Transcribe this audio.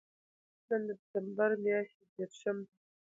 نن د دېسمبر میاشتې درېرشم دی